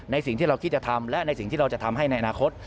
สิ่งที่เราคิดจะทำและในสิ่งที่เราจะทำให้ในอนาคต